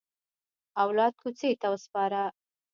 اولاد کوڅې ته وسپاره.